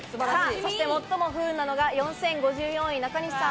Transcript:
そして最も不運なのが４０５４位、中西さん。